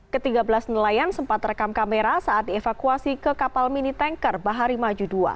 ke tiga belas nelayan sempat rekam kamera saat dievakuasi ke kapal mini tanker bahari maju dua